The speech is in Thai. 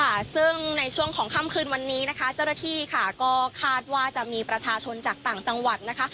ค่ะซึ่งในช่วงของค่ำคืนวันนี้นะคะเจ้าหน้าที่ค่ะก็คาดว่าจะมีประชาชนจากต่างจังหวัดนะคะ